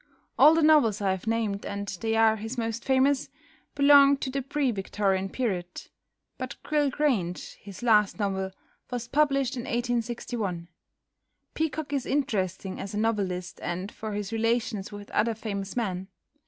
All the novels I have named, and they are his most famous, belong to the pre Victorian period, but "Gryll Grange," his last novel, was published in 1861. Peacock is interesting as a novelist and for his relations with other famous men.